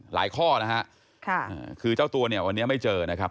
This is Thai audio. ข้อนะฮะค่ะคือเจ้าตัวเนี่ยวันนี้ไม่เจอนะครับ